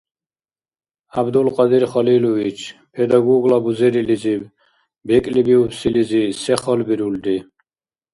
ГӀябдулкьадир Халилович, педагогла бузерилизиб бекӀлибиубсилизи се халбирулри?